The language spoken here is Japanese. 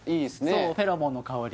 そうフェロモンの香り